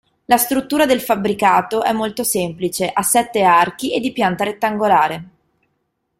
La struttura del fabbricato è molto semplice, a sette archi e di pianta rettangolare.